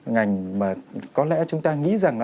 ngành mà có lẽ chúng ta nghĩ rằng